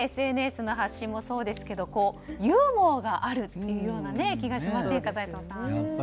ＳＮＳの発信もそうですけどユーモアがあるっていうような気がしますよね、齋藤先生。